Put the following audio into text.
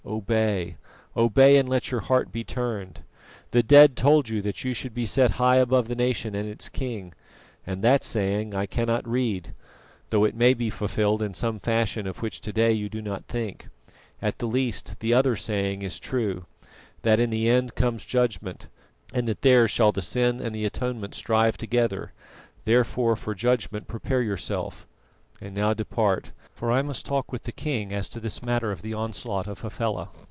Obey, obey, and let your heart be turned. The dead told you that you should be set high above the nation and its king, and that saying I cannot read, though it may be fulfilled in some fashion of which to day you do not think. At the least, the other saying is true, that in the end comes judgment, and that there shall the sin and the atonement strive together; therefore for judgment prepare yourself. And now depart, for I must talk with the king as to this matter of the onslaught of Hafela."